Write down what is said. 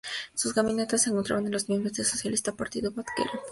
Su gabinete se encontraban miembros de la socialista Partido Baath que era pro-Nasser.